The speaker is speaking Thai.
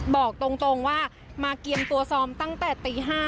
บอกตรงว่ามาเกียรตัวซอมตั้งแต่ตีห้า